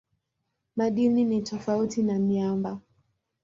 Madini ni tofauti na miamba.